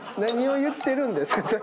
何を言ってるんですか？